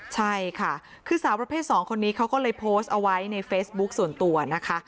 ใช่ค่ะคือสาวประเภท๒คนนี้เขาก็เลยโพสต์เอาไว้ในเฟซบุ๊คส่วนตัวนะคะ